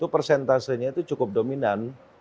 persentasenya cukup dominan